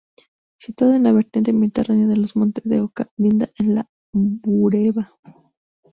Situado en la vertiente mediterránea de los Montes de Oca, linda con La Bureba.